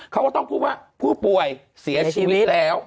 เขาก็ต้องพูดว่าผู้ป่วยเสียชีวิตแล้ว